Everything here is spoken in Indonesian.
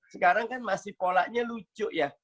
sekarang kan masih polanya lucu ya